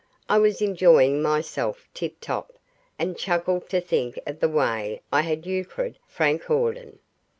I was enjoying myself tip top, and chuckled to think of the way I had euchred Frank Hawden.